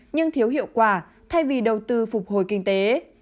nhưng thiếu hiệu quả thay vì đầu tư phục hồi kinh tế